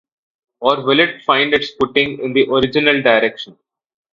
Or will it find its footing in the original direction?